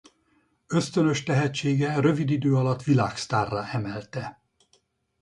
Ösztönös tehetsége rövid idő alatt világsztárrá emelte.